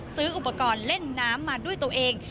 ซื้ออุปกรณ์เล่นน้ำมาด้วยตัวเอง